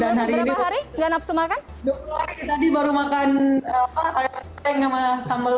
dan hari ini berapa hari nggak nafsu makan dua puluh hari tadi baru makan air kering sama sambal